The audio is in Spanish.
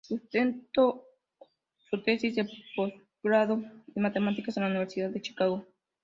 Sustentó su tesis de postgrado en matemáticas, en la universidad de Chicago.